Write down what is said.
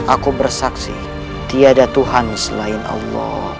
aku bersaksi tiada tuhan selain allah